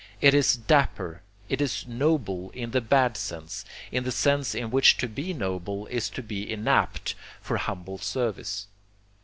It is dapper; it is noble in the bad sense, in the sense in which to be noble is to be inapt for humble service.